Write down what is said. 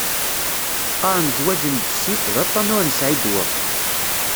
Qaren zzwaǧ n bessif, d aṭṭan ur nesεi ddwa.